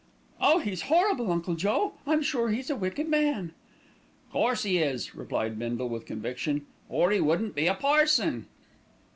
"Oh, he's horrible, Uncle Joe. I'm sure he's a wicked man." "'Course 'e is," replied Bindle with conviction, "or 'e wouldn't be a parson."